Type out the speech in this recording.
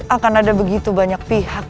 akan ada begitu banyak pihak